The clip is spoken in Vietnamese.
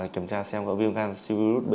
kiểm tra xem viêm canxi virus b